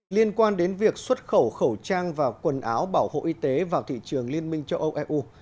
liên quan đến việc xuất khẩu khẩu trang và quần áo bảo hộ y tế vào thị trường liên minh châu âu eu